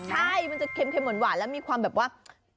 ใช่มันจะแบบแค่มเหมือนหวานแล้วมีความแบบว่า